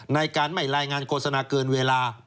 ในการไม่รายงานโฆษณาเกินเวลา